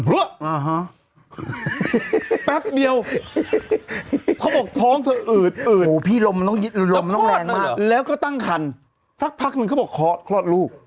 พละแปลกเดียวเขาบอกท้องเธออืดอืดแล้วก็ตั้งคันสักพักนึงเขาบอกคลอดลูก